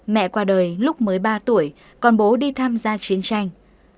mẹ qua đời lúc mới ba tuổi còn bố đi tham gia chiến tranh